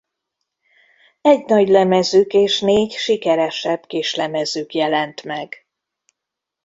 Egy nagylemezük és négy sikeresebb kislemezük jelent meg.